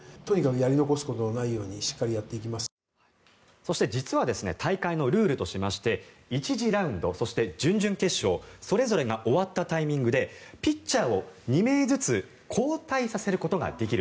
そして実は大会のルールとしまして１次ラウンドそして準々決勝それぞれが終わったタイミングでピッチャーを２名ずつ交代させることができる。